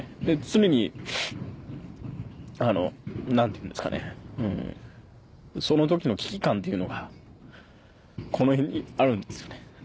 常に何ていうんですかねその時の危機感っていうのがこの辺にあるんですよね。